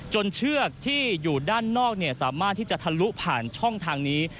เชือกที่อยู่ด้านนอกสามารถที่จะทะลุผ่านช่องทางนี้